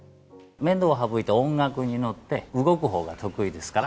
面倒を省いて音楽に乗って、動くほうが得意ですから。